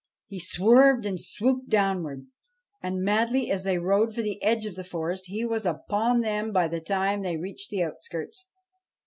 He swerved and swooped downwards, and, madly as they rode for the edge of the forest, he was upon them by the time they reached the outskirts.